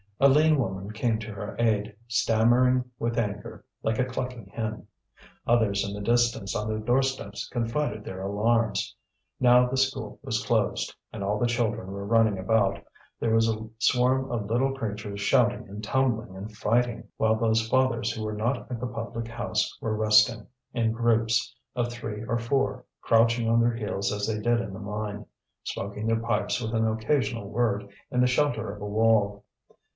A lean woman came to her aid, stammering with anger like a clucking hen. Others in the distance on their doorsteps confided their alarms. Now the school was closed; and all the children were running about, there was a swarm of little creatures shouting and tumbling and fighting; while those fathers who were not at the public house were resting in groups of three or four, crouching on their heels as they did in the mine, smoking their pipes with an occasional word in the shelter of a wall.